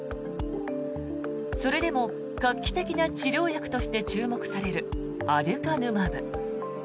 それでも画期的な治療薬として注目されるアデュカヌマブ。